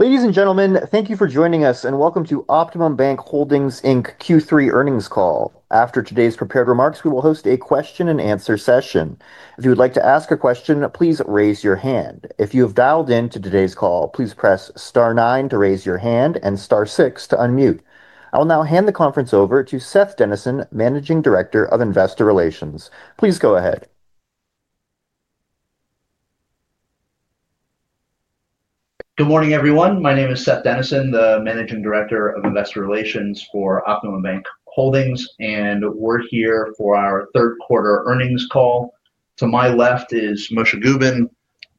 Ladies and gentlemen, thank you for joining us, and welcome to OptimumBank Holdings Inc Q3 Earnings Call. After today's prepared remarks, we will host a question-and-answer session. If you would like to ask a question, please raise your hand. If you have dialed into today's call, please press star nine to raise your hand and star six to unmute. I will now hand the conference over to Seth Denison, Managing Director of Investor Relations. Please go ahead. Good morning, everyone. My name is Seth Denison, the Managing Director of Investor Relations for OptimumBank Holdings, and we're here for our third-quarter earnings call. To my left is Moishe Gubin,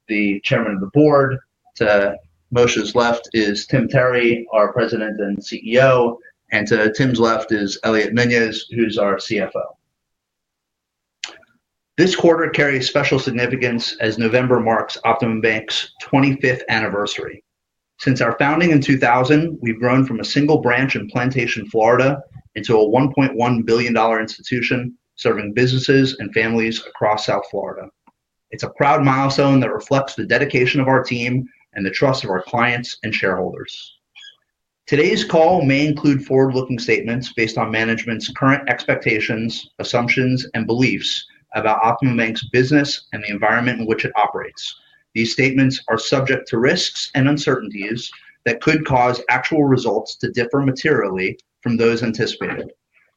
the Chairman of the Board. To Moishe's left is Tim Terry, our President and CEO, and to Tim's left is Elliot Nunez, who's our CFO. This quarter carries special significance as November marks OptimumBank's 25th anniversary. Since our founding in 2000, we've grown from a single branch in Plantation, Florida, into a $1.1 billion institution serving businesses and families across South Florida. It's a proud milestone that reflects the dedication of our team and the trust of our clients and shareholders. Today's call may include forward-looking statements based on management's current expectations, assumptions, and beliefs about OptimumBank's business and the environment in which it operates. These statements are subject to risks and uncertainties that could cause actual results to differ materially from those anticipated.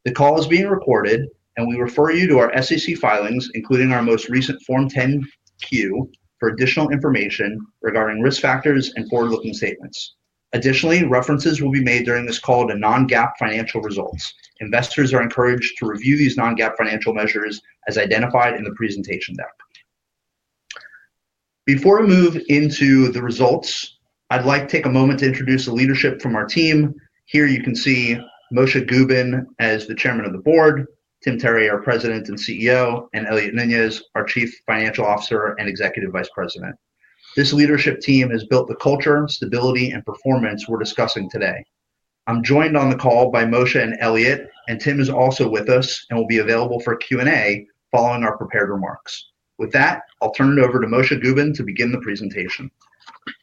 The call is being recorded, and we refer you to our SEC filings, including our most recent form 10-Q, for additional information regarding risk factors and forward-looking statements. Additionally, references will be made during this call to non-GAAP financial results. Investors are encouraged to review these non-GAAP financial measures as identified in the presentation deck. Before we move into the results, I'd like to take a moment to introduce the leadership from our team. Here you can see Moishe Gubin as the Chairman of the Board, Tim Terry, our President and CEO, and Elliot Nunez, our Chief Financial Officer and Executive Vice President. This leadership team has built the culture, stability, and performance we're discussing today. I'm joined on the call by Moishe and Elliot, and Tim is also with us and will be available for Q&A following our prepared remarks. With that, I'll turn it over to Moishe Gubin to begin the presentation.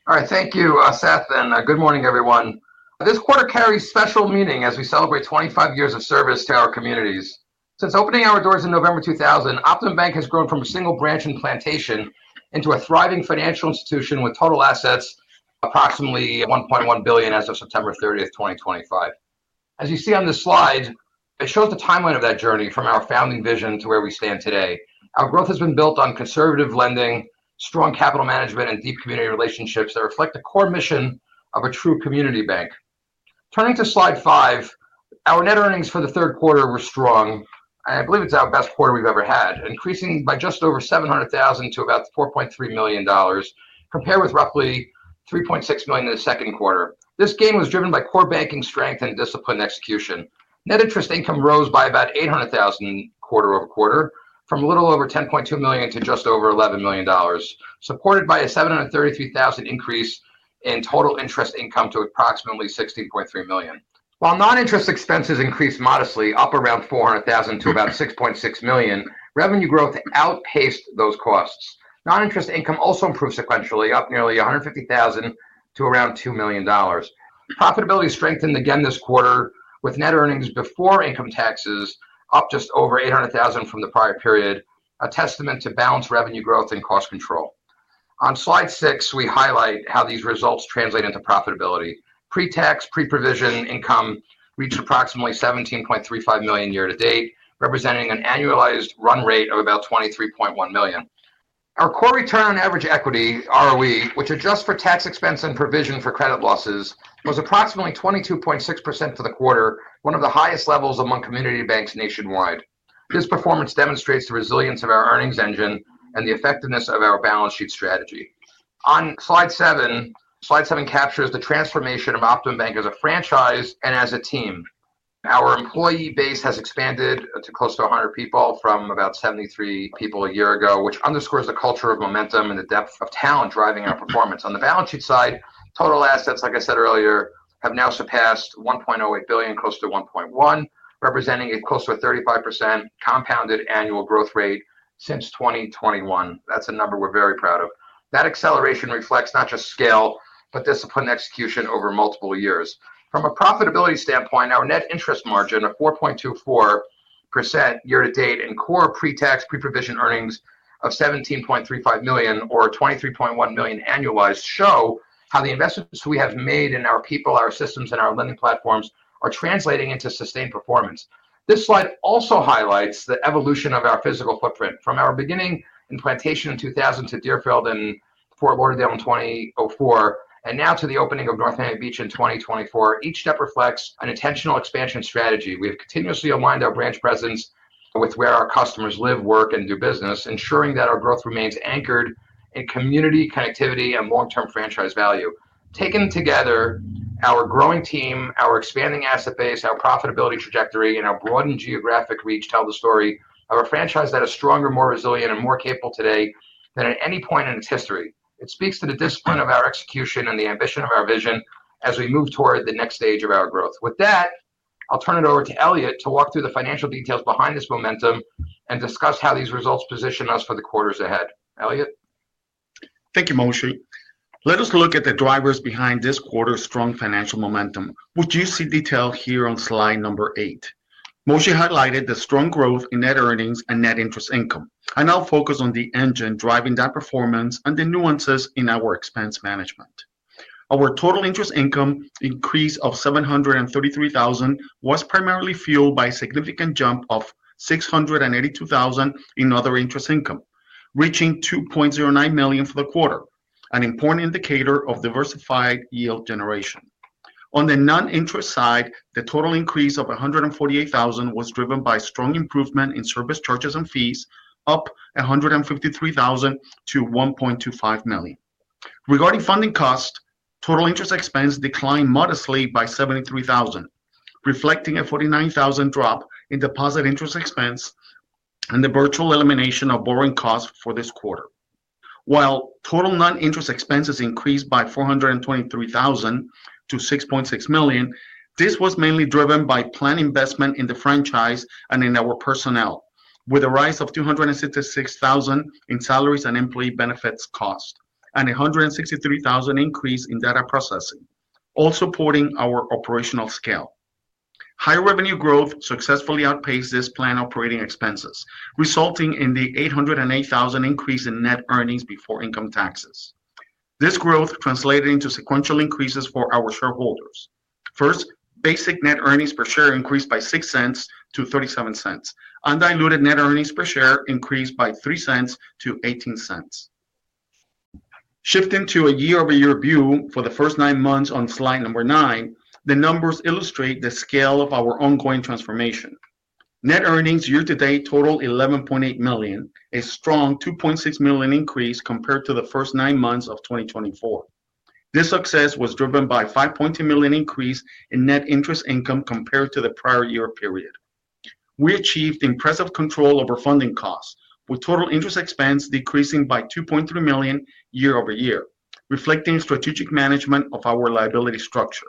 All right, thank you, Seth, and good morning, everyone. This quarter carries special meaning as we celebrate 25 years of service to our communities. Since opening our doors in November 2000, OptimumBank has grown from a single branch in Plantation into a thriving financial institution with total assets approximately $1.1 billion as of September 30th, 2025. As you see on this slide, it shows the timeline of that journey from our founding vision to where we stand today. Our growth has been built on conservative lending, strong capital management, and deep community relationships that reflect the core mission of a true community bank. Turning to slide five, our net earnings for the third quarter were strong, and I believe it's our best quarter we've ever had, increasing by just over $700,000 to about $4.3 million compared with roughly $3.6 million in the second quarter. This gain was driven by core banking strength and discipline execution. Net interest income rose by about $800,000 quarter-over-quarter, from a little over $10.2 million to just over $11 million, supported by a $733,000 increase in total interest income to approximately $16.3 million. While non-interest expenses increased modestly, up around $400,000 to about $6.6 million, revenue growth outpaced those costs. Non-interest income also improved sequentially, up nearly $150,000 to around $2 million. Profitability strengthened again this quarter, with net earnings before income taxes up just over $800,000 from the prior period, a testament to balanced revenue growth and cost control. On slide six, we highlight how these results translate into profitability. Pre-tax, pre-provision income reached approximately $17.35 million year-to-date, representing an annualized run rate of about $23.1 million. Our core return on average equity, ROE, which adjusts for tax expense and provision for credit losses, was approximately 22.6% for the quarter, one of the highest levels among community banks nationwide. This performance demonstrates the resilience of our earnings engine and the effectiveness of our balance sheet strategy. On slide seven, slide seven captures the transformation of OptimumBank as a franchise and as a team. Our employee base has expanded to close to 100 people from about 73 people a year ago, which underscores the culture of momentum and the depth of talent driving our performance. On the balance sheet side, total assets, like I said earlier, have now surpassed $1.08 billion, close to $1.1 billion, representing a close to a 35% compounded annual growth rate since 2021. That is a number we are very proud of. That acceleration reflects not just scale, but discipline execution over multiple years. From a profitability standpoint, our net interest margin of 4.24% year-to-date and core pre-tax, pre-provision earnings of $17.35 million, or $23.1 million annualized, show how the investments we have made in our people, our systems, and our lending platforms are translating into sustained performance. This slide also highlights the evolution of our physical footprint. From our beginning in Plantation in 2000 to Deerfield in Fort Lauderdale in 2004, and now to the opening of North Miami Beach in 2024, each step reflects an intentional expansion strategy. We have continuously aligned our branch presence with where our customers live, work, and do business, ensuring that our growth remains anchored in community connectivity and long-term franchise value. Taken together, our growing team, our expanding asset base, our profitability trajectory, and our broadened geographic reach tell the story of a franchise that is stronger, more resilient, and more capable today than at any point in its history. It speaks to the discipline of our execution and the ambition of our vision as we move toward the next stage of our growth. With that, I'll turn it over to Elliot to walk through the financial details behind this momentum and discuss how these results position us for the quarters ahead. Elliot? Thank you, Moishe. Let us look at the drivers behind this quarter's strong financial momentum, which you see detailed here on slide number eight. Moishe highlighted the strong growth in net earnings and net interest income. I now focus on the engine driving that performance and the nuances in our expense management. Our total interest income increase of $733,000 was primarily fueled by a significant jump of $682,000 in other interest income, reaching $2.09 million for the quarter, an important indicator of diversified yield generation. On the non-interest side, the total increase of $148,000 was driven by strong improvement in service charges and fees, up $153,000 to $1.25 million. Regarding funding costs, total interest expense declined modestly by $73,000, reflecting a $49,000 drop in deposit interest expense and the virtual elimination of borrowing costs for this quarter. While total non-interest expenses increased by $423,000 to $6.6 million, this was mainly driven by planned investment in the franchise and in our personnel, with a rise of $266,000 in salaries and employee benefits costs, and a $163,000 increase in data processing, all supporting our operational scale. Higher revenue growth successfully outpaced this planned operating expenses, resulting in the $808,000 increase in net earnings before income taxes. This growth translated into sequential increases for our shareholders. First, basic net earnings per share increased by $0.06 to $0.37, undiluted net earnings per share increased by $0.03 to $0.18. Shifting to a year-over-year view for the first nine months on slide number nine, the numbers illustrate the scale of our ongoing transformation. Net earnings year-to-date totaled $11.8 million, a strong $2.6 million increase compared to the first nine months of 2024. This success was driven by a $5.2 million increase in net interest income compared to the prior year period. We achieved impressive control over funding costs, with total interest expense decreasing by $2.3 million year-over-year, reflecting strategic management of our liability structure.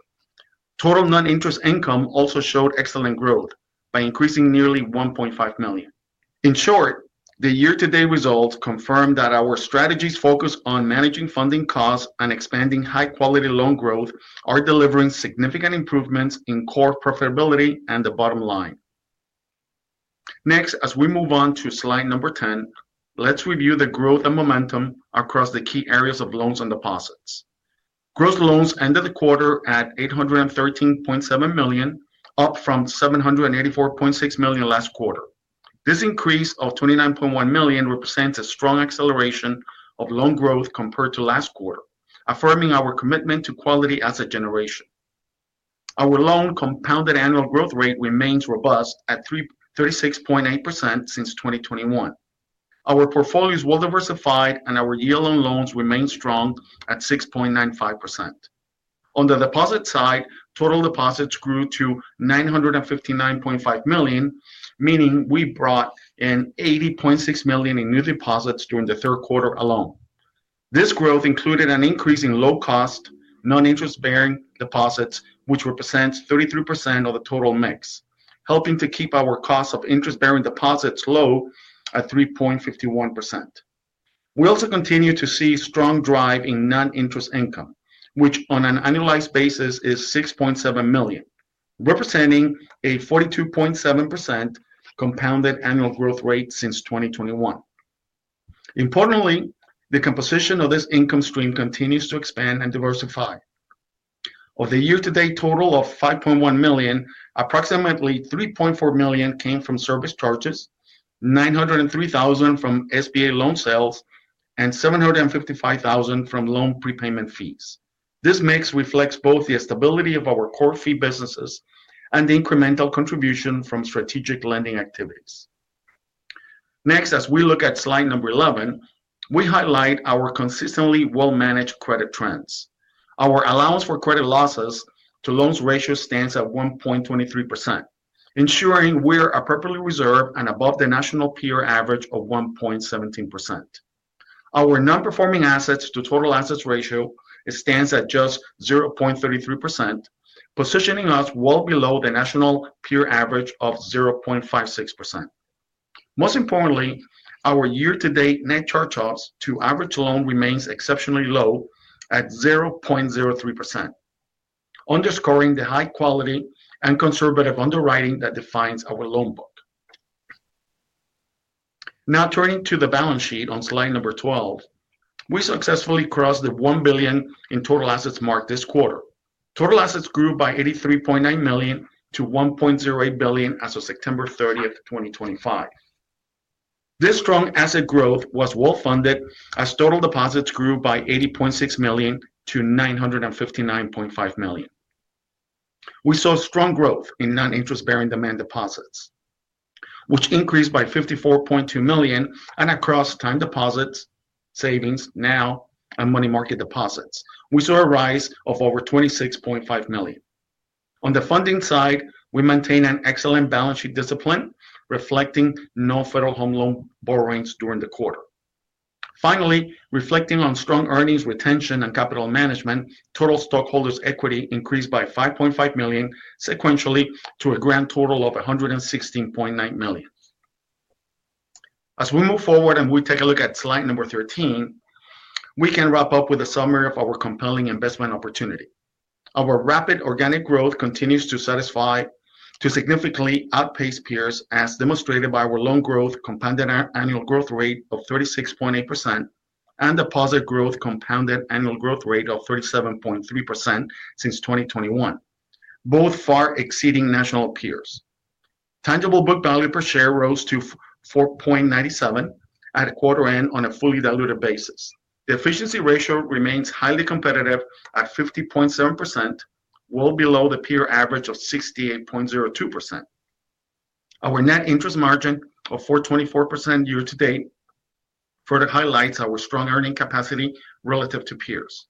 Total non-interest income also showed excellent growth by increasing nearly $1.5 million. In short, the year-to-date results confirm that our strategies focused on managing funding costs and expanding high-quality loan growth are delivering significant improvements in core profitability and the bottom line. Next, as we move on to slide number 10, let's review the growth and momentum across the key areas of loans and deposits. Gross loans ended the quarter at $813.7 million, up from $784.6 million last quarter. This increase of $29.1 million represents a strong acceleration of loan growth compared to last quarter, affirming our commitment to quality asset generation. Our loan compounded annual growth rate remains robust at 36.8% since 2021. Our portfolio is well-diversified, and our yield on loans remains strong at 6.95%. On the deposit side, total deposits grew to $959.5 million, meaning we brought in $80.6 million in new deposits during the third quarter alone. This growth included an increase in low-cost, non-interest-bearing deposits, which represents 33% of the total mix, helping to keep our cost of interest-bearing deposits low at 3.51%. We also continue to see a strong drive in non-interest income, which on an annualized basis is $6.7 million, representing a 42.7% compounded annual growth rate since 2021. Importantly, the composition of this income stream continues to expand and diversify. Of the year-to-date total of $5.1 million, approximately $3.4 million came from service charges, $903,000 from SBA loan sales, and $755,000 from loan prepayment fees. This mix reflects both the stability of our core fee businesses and the incremental contribution from strategic lending activities. Next, as we look at slide number 11, we highlight our consistently well-managed credit trends. Our allowance for credit losses to loans ratio stands at 1.23%, ensuring we are appropriately reserved and above the national peer average of 1.17%. Our non-performing assets to total assets ratio stands at just 0.33%, positioning us well below the national peer average of 0.56%. Most importantly, our year-to-date net charge-offs to average loan remains exceptionally low at 0.03%, underscoring the high quality and conservative underwriting that defines our loan book. Now turning to the balance sheet on slide number 12, we successfully crossed the $1 billion in total assets mark this quarter. Total assets grew by $83.9 million to $1.08 billion as of September 30th, 2025. This strong asset growth was well-funded as total deposits grew by $80.6 million to $959.5 million. We saw strong growth in non-interest-bearing demand deposits, which increased by $54.2 million and across time deposits, savings, NOW, and money market deposits. We saw a rise of over $26.5 million. On the funding side, we maintain an excellent balance sheet discipline, reflecting no Federal Home Loan borrowings during the quarter. Finally, reflecting on strong earnings retention and capital management, total stockholders' equity increased by $5.5 million, sequentially to a grand total of $116.9 million. As we move forward and we take a look at slide number 13, we can wrap up with a summary of our compelling investment opportunity. Our rapid organic growth continues to satisfy to significantly outpace peers, as demonstrated by our loan growth compounded annual growth rate of 36.8% and deposit growth compounded annual growth rate of 37.3% since 2021, both far exceeding national peers. Tangible book value per share rose to $4.97 at quarter-end on a fully diluted basis. The efficiency ratio remains highly competitive at 50.7%, well below the peer average of 68.02%. Our net interest margin of 4.24% year-to-date further highlights our strong earning capacity relative to peers.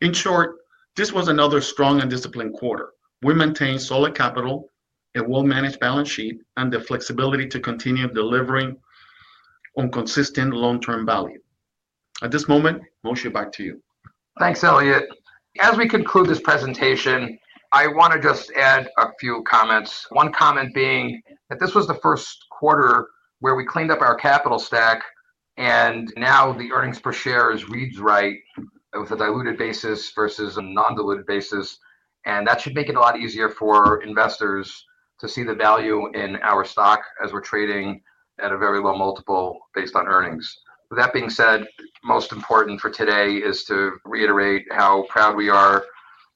In short, this was another strong and disciplined quarter. We maintain solid capital, a well-managed balance sheet, and the flexibility to continue delivering on consistent long-term value. At this moment, Moishe, back to you. Thanks, Elliot. As we conclude this presentation, I want to just add a few comments. One comment being that this was the first quarter where we cleaned up our capital stack, and now the earnings per share reads right with a diluted basis versus a non-diluted basis. That should make it a lot easier for investors to see the value in our stock as we're trading at a very low multiple based on earnings. That being said, most important for today is to reiterate how proud we are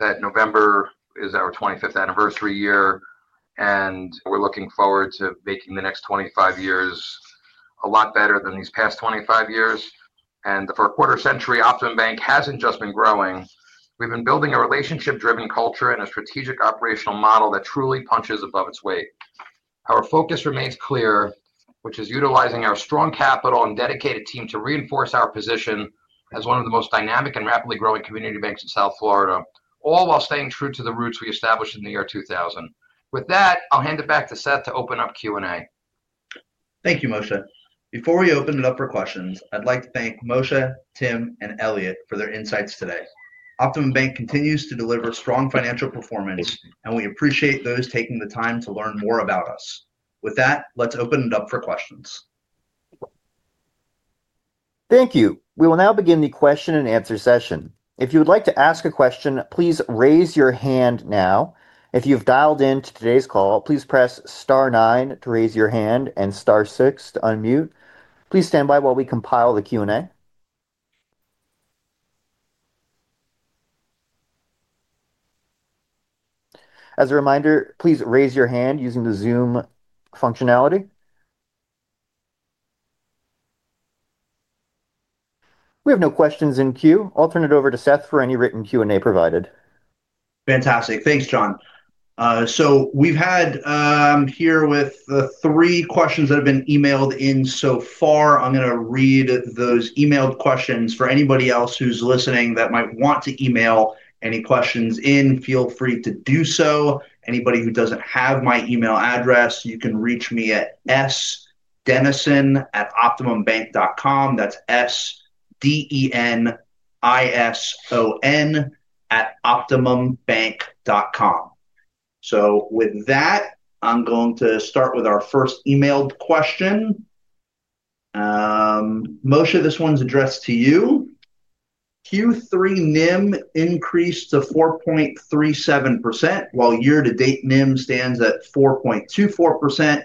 that November is our 25th anniversary year, and we're looking forward to making the next 25 years a lot better than these past 25 years. For a quarter century, OptimumBank hasn't just been growing. We've been building a relationship-driven culture and a strategic operational model that truly punches above its weight. Our focus remains clear, which is utilizing our strong capital and dedicated team to reinforce our position as one of the most dynamic and rapidly growing community banks in South Florida, all while staying true to the roots we established in the year 2000. With that, I'll hand it back to Seth to open up Q&A. Thank you, Moishe. Before we open it up for questions, I'd like to thank Moishe, Tim, and Elliot for their insights today. OptimumBank continues to deliver strong financial performance, and we appreciate those taking the time to learn more about us. With that, let's open it up for questions. Thank you. We will now begin the question-and-answer session. If you would like to ask a question, please raise your hand now. If you've dialed into today's call, please press star nine to raise your hand and star six to unmute. Please stand by while we compile the Q&A. As a reminder, please raise your hand using the Zoom functionality. We have no questions in queue. I'll turn it over to Seth for any written Q&A provided. Fantastic. Thanks, John. We have here three questions that have been emailed in so far. I'm going to read those emailed questions. For anybody else who's listening that might want to email any questions in, feel free to do so. Anybody who does not have my email address, you can reach me at sdenison@optimumbank.com. That's S-D-E-N-I-S-O-N at optimumbank.com. With that, I'm going to start with our first emailed question. Moishe, this one's addressed to you. Q3 NIM increased to 4.37%, while year-to-date NIM stands at 4.24%.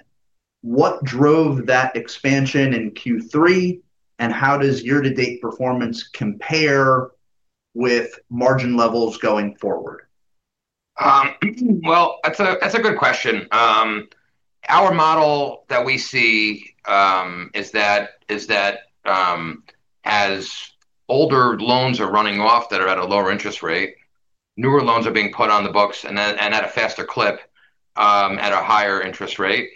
What drove that expansion in Q3, and how does year-to-date performance compare with margin levels going forward? That is a good question. Our model that we see is that as older loans are running off that are at a lower interest rate, newer loans are being put on the books and at a faster clip at a higher interest rate.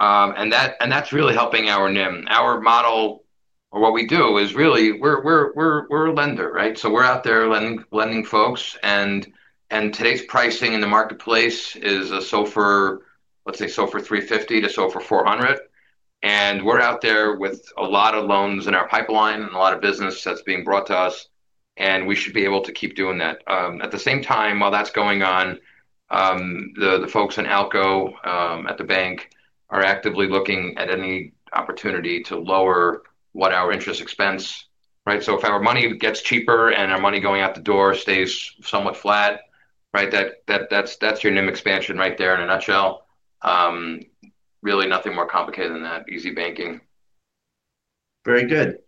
That is really helping our NIM. Our model, or what we do, is really we are a lender, right? We are out there lending folks. Today's pricing in the marketplace is a SOFR, let's say SOFR 350-SOFR 400. We are out there with a lot of loans in our pipeline and a lot of business that is being brought to us, and we should be able to keep doing that. At the same time, while that is going on, the folks in ALCO at the bank are actively looking at any opportunity to lower what our interest expense, right? If our money gets cheaper and our money going out the door stays somewhat flat, right, that's your NIM expansion right there in a nutshell. Really nothing more complicated than that. Easy banking. Very good.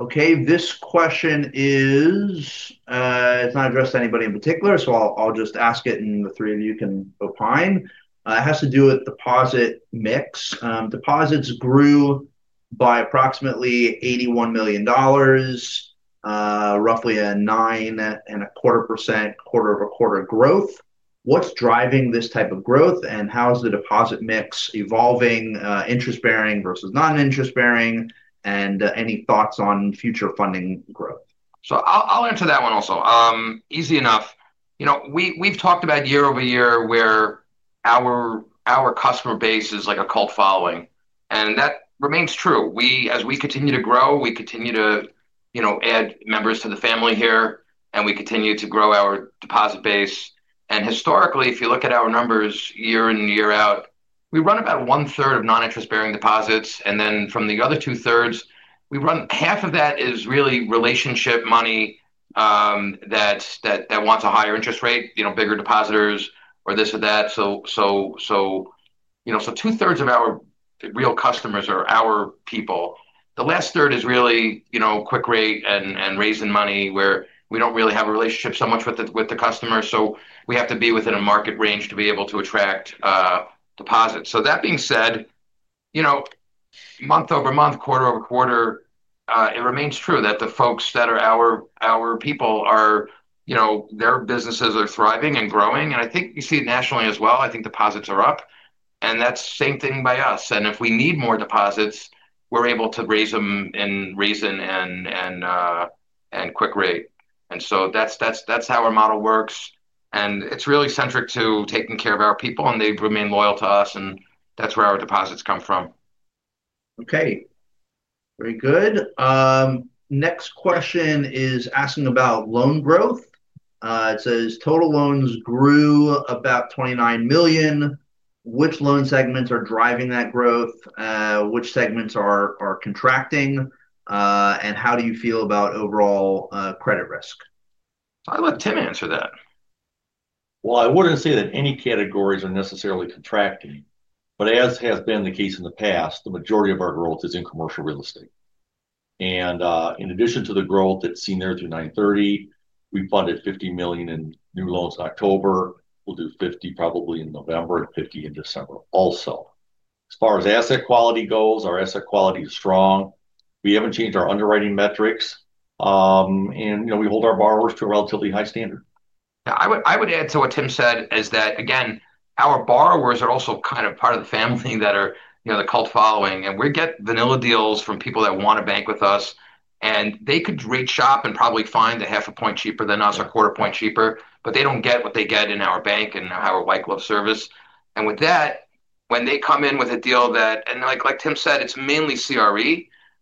Okay. This question is, it's not addressed to anybody in particular, so I'll just ask it and the three of you can opine. It has to do with deposit mix. Deposits grew by approximately $81 million, roughly a 9.25% quarter-over-quarter growth. What's driving this type of growth, and how is the deposit mix evolving, interest-bearing versus non-interest-bearing, and any thoughts on future funding growth? I'll answer that one also. Easy enough. We've talked about year-over-year where our customer base is like a cult following. That remains true. As we continue to grow, we continue to add members to the family here, and we continue to grow our deposit base. Historically, if you look at our numbers year in and year out, we run about 1/3 of non-interest-bearing deposits. From the other 2/3, we run half of that as really relationship money that wants a higher interest rate, bigger depositors, or this or that. Two-thirds of our real customers are our people. The last third is really quick rate and raising money where we do not really have a relationship so much with the customer. We have to be within a market range to be able to attract deposits. That being said, month-over-month, quarter-over-quarter, it remains true that the folks that are our people, their businesses are thriving and growing. I think you see it nationally as well. I think deposits are up. That's the same thing by us. If we need more deposits, we're able to raise them in reason and quick rate. That's how our model works. It's really centric to taking care of our people, and they remain loyal to us, and that's where our deposits come from. Okay. Very good. Next question is asking about loan growth. It says total loans grew about $29 million. Which loan segments are driving that growth? Which segments are contracting? And how do you feel about overall credit risk? I'll let Tim answer that. I wouldn't say that any categories are necessarily contracting, but as has been the case in the past, the majority of our growth is in commercial real estate. In addition to the growth that's seen there through September 30, we funded $50 million in new loans in October. We'll do $50 million probably in November and $50 million in December also. As far as asset quality goes, our asset quality is strong. We haven't changed our underwriting metrics, and we hold our borrowers to a relatively high standard. Yeah. I would add to what Tim said is that, again, our borrowers are also kind of part of the family that are the cult following. We get vanilla deals from people that want to bank with us. They could rate shop and probably find 0.5 point cheaper than us or 0.75 point cheaper, but they do not get what they get in our bank and our white glove service. With that, when they come in with a deal that, and like Tim said, it is mainly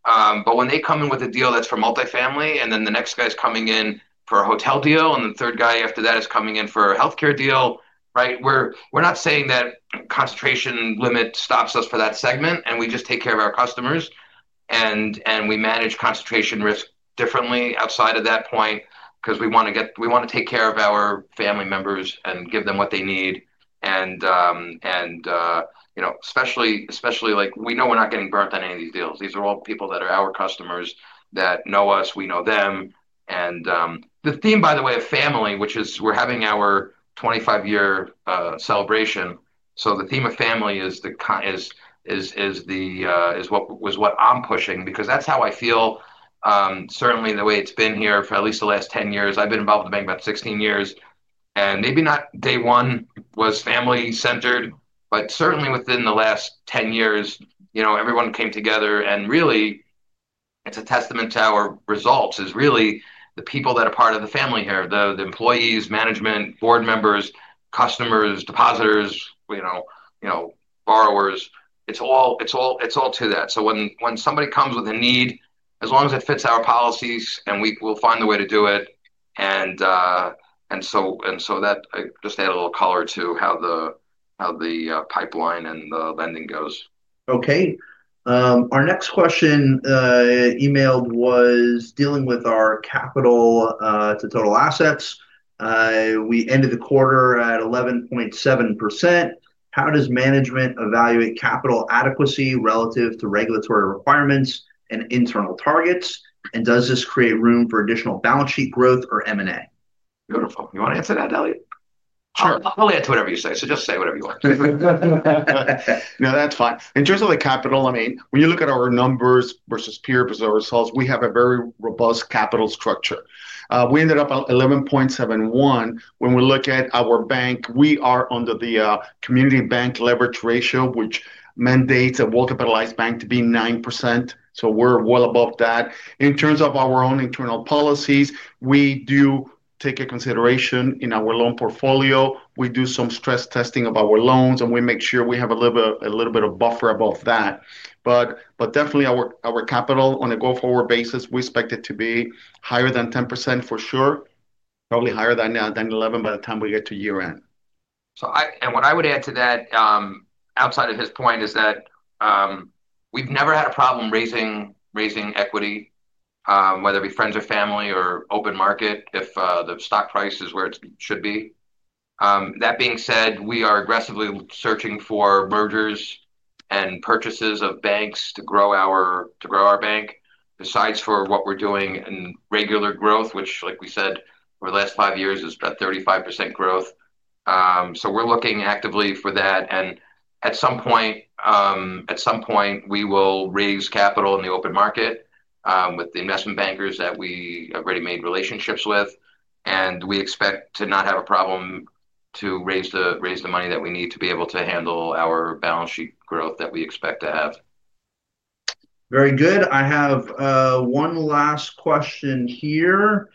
CRE, but when they come in with a deal that is for multifamily, and then the next guy is coming in for a hotel deal, and the third guy after that is coming in for a healthcare deal, right? We are not saying that concentration limit stops us for that segment, and we just take care of our customers. We manage concentration risk differently outside of that point because we want to take care of our family members and give them what they need. Especially, we know we're not getting burnt on any of these deals. These are all people that are our customers that know us, we know them. The theme, by the way, of family, which is we're having our 25-year celebration. The theme of family is what I'm pushing because that's how I feel. Certainly, the way it's been here for at least the last 10 years. I've been involved in the bank about 16 years. Maybe not day one was family-centered, but certainly within the last 10 years, everyone came together. Really, it's a testament to our results, it's really the people that are part of the family here: the employees, management, board members, customers, depositors, borrowers. It's all to that. When somebody comes with a need, as long as it fits our policies, we'll find a way to do it. That just added a little color to how the pipeline and the lending goes. Okay. Our next question emailed was dealing with our capital to total assets. We ended the quarter at 11.7%. How does management evaluate capital adequacy relative to regulatory requirements and internal targets? Does this create room for additional balance sheet growth or M&A? Beautiful. You want to answer that, Elliot? Sure. I'll only answer whatever you say. So just say whatever you want. No, that's fine. In terms of the capital, I mean, when you look at our numbers versus peer-to-peer results, we have a very robust capital structure. We ended up at 11.71. When we look at our bank, we are under the community bank leverage ratio, which mandates a well-capitalized bank to be 9%. So we're well above that. In terms of our own internal policies, we do take a consideration in our loan portfolio. We do some stress testing of our loans, and we make sure we have a little bit of buffer above that. Definitely, our capital on a go-forward basis, we expect it to be higher than 10% for sure, probably higher than 11 by the time we get to year-end. What I would add to that outside of his point is that we've never had a problem raising equity, whether it be friends or family or open market, if the stock price is where it should be. That being said, we are aggressively searching for mergers and purchases of banks to grow our bank besides for what we're doing in regular growth, which, like we said, over the last five years is about 35% growth. We are looking actively for that. At some point, we will raise capital in the open market with the investment bankers that we have already made relationships with. We expect to not have a problem to raise the money that we need to be able to handle our balance sheet growth that we expect to have. Very good. I have one last question here.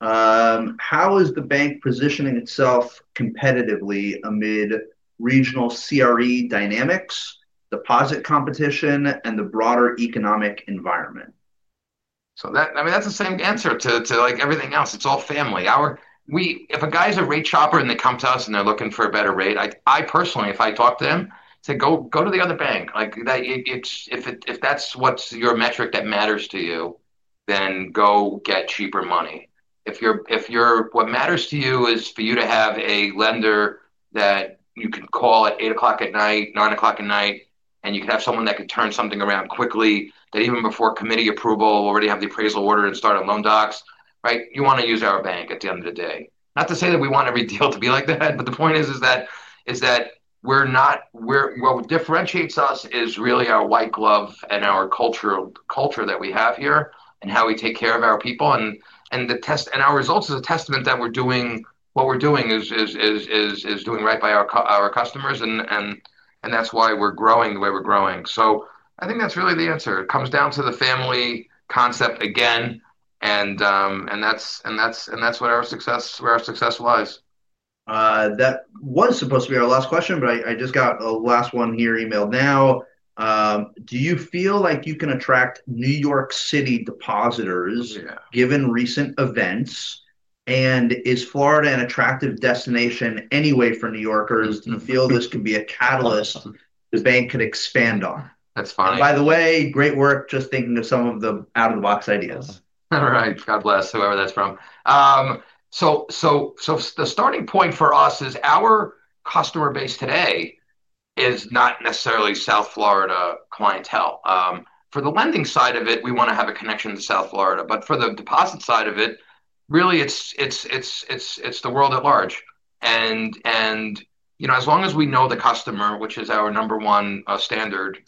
How is the bank positioning itself competitively amid regional CRE dynamics, deposit competition, and the broader economic environment? I mean, that's the same answer to everything else. It's all family. If a guy's a rate shopper and they come to us and they're looking for a better rate, I personally, if I talk to them, I say, "Go to the other bank." If that's what your metric that matters to you, then go get cheaper money. If what matters to you is for you to have a lender that you can call at 8:00 P.M., 9:00 P.M., and you can have someone that can turn something around quickly, that even before committee approval, we'll already have the appraisal order and start loan docs, right? You want to use our bank at the end of the day. Not to say that we want every deal to be like that, but the point is that we're not, what differentiates us is really our white glove and our culture that we have here and how we take care of our people. Our results are a testament that what we're doing is doing right by our customers, and that's why we're growing the way we're growing. I think that's really the answer. It comes down to the family concept again, and that's where our success lies. That was supposed to be our last question, but I just got a last one here emailed now. Do you feel like you can attract New York City depositors given recent events? Is Florida an attractive destination anyway for New Yorkers? Do you feel this could be a catalyst the bank could expand on? That's fine. By the way, great work just thinking of some of the out-of-the-box ideas. All right. God bless, whoever that's from. The starting point for us is our customer base today is not necessarily South Florida clientele. For the lending side of it, we want to have a connection to South Florida. For the deposit side of it, really, it's the world at large. As long as we know the customer, which is our number one standard,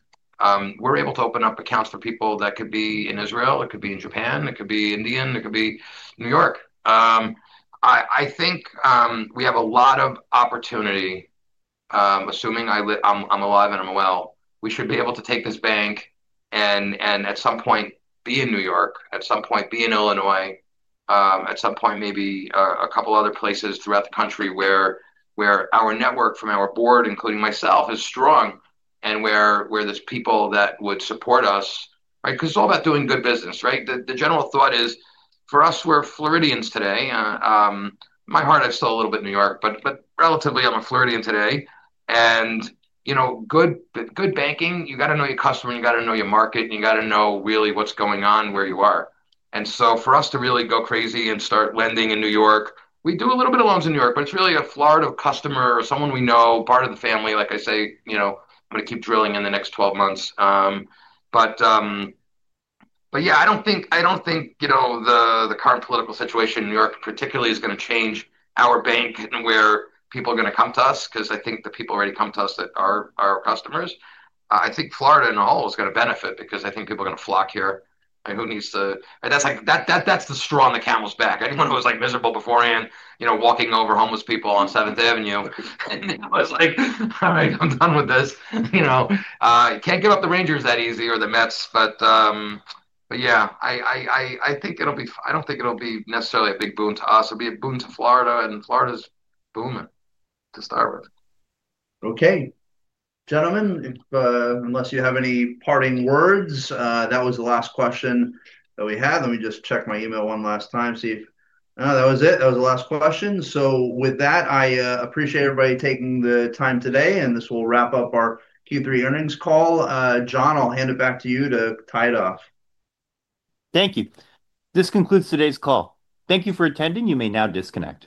we're able to open up accounts for people that could be in Israel, it could be in Japan, it could be in India, it could be New York. I think we have a lot of opportunity, assuming I'm alive and I'm well, we should be able to take this bank and at some point be in New York, at some point be in Illinois, at some point maybe a couple of other places throughout the country where our network from our board, including myself, is strong and where there's people that would support us, right? Because it's all about doing good business, right? The general thought is, for us, we're Floridians today. My heart, I still a little bit New York, but relatively, I'm a Floridian today. And good banking, you got to know your customer, you got to know your market, and you got to know really what's going on where you are. For us to really go crazy and start lending in New York, we do a little bit of loans in New York, but it's really a Florida customer or someone we know, part of the family. Like I say, I'm going to keep drilling in the next 12 months. I don't think the current political situation in New York particularly is going to change our bank and where people are going to come to us because I think the people already come to us that are our customers. I think Florida in the whole is going to benefit because I think people are going to flock here. Who needs to? That's the straw on the camel's back. Anyone who was miserable beforehand walking over homeless people on 7th Avenue, and now it's like, "All right, I'm done with this." You can't give up the Rangers that easy or the Mets, but yeah, I think it'll be I don't think it'll be necessarily a big boon to us. It'll be a boon to Florida, and Florida's booming to start with. Okay. Gentlemen, unless you have any parting words, that was the last question that we had. Let me just check my email one last time, see if that was it. That was the last question. With that, I appreciate everybody taking the time today, and this will wrap up our Q3 earnings call. John, I'll hand it back to you to tie it off. Thank you. This concludes today's call. Thank you for attending. You may now disconnect.